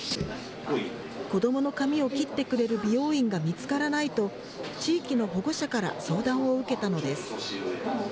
子どもの髪を切ってくれる美容院が見つからないと、地域の保護者から相談を受けたのです。